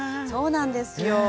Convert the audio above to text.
そうなんですよ。